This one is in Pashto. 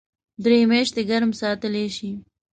درې میاشتې ګرم ساتلی شي .